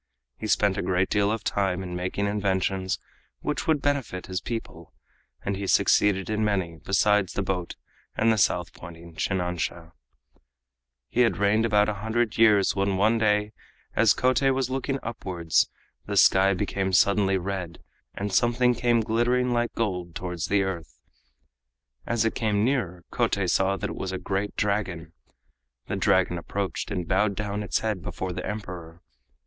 He spent a great deal of time in making inventions which would benefit his people, and he succeeded in many besides the boat and the South Pointing shinansha. He had reigned about a hundred years when one day, as Kotei was looking upwards, the sky became suddenly red, and something came glittering like gold towards the earth. As it came nearer Kotei saw that it was a great Dragon. The Dragon approached and bowed down its head before the Emperor.